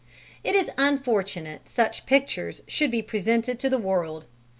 It is unfortunate such pictures should be presented to the world.